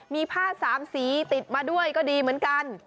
มีผ้าสามสีติดมาด้วยก็ดีเหมือนกัน